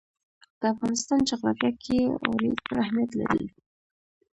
د افغانستان جغرافیه کې اوړي ستر اهمیت لري.